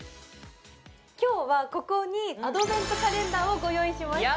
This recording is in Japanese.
今日はここにアドベントカレンダーをご用意しました